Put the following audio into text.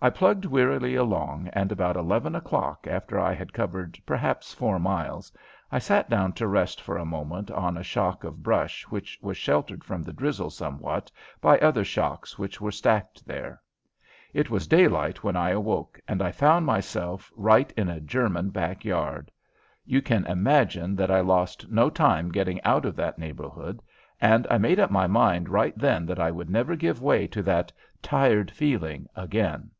I plugged wearily along and about eleven o'clock, after I had covered perhaps four miles, I sat down to rest for a moment on a shock of brush which was sheltered from the drizzle somewhat by other shocks which were stacked there. It was daylight when I awoke, and I found myself right in a German's backyard. You can imagine that I lost no time getting out of that neighborhood, and I made up my mind right then that I would never give way to that "tired feeling" again.